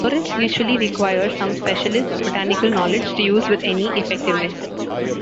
Floras usually require some specialist botanical knowledge to use with any effectiveness.